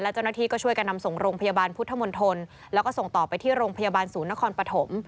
เจ้าหน้าที่ก็ช่วยกันนำส่งโรงพยาบาลพุทธมนตรแล้วก็ส่งต่อไปที่โรงพยาบาลศูนย์นครปฐม